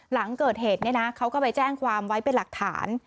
หลังเกิดเหตุเนี่ยนะเขาก็ไปแจ้งความไว้เป็นหลักฐาน